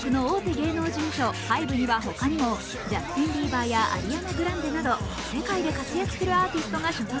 芸能事務所ＨＹＢＥには他にもジャスティン・ビーバーやアリアナ・グランデなど世界で活躍するアーティストが所属。